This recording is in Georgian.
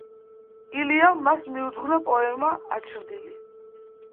ილიამ მას მიუძღვნა პოემა „აჩრდილი“.